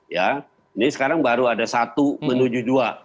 ini sekarang baru ada satu menuju dua